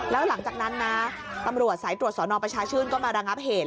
แล้วหลังจากนั้นนะตำรวจสายตรวจสอนอประชาชื่นก็มาระงับเหตุ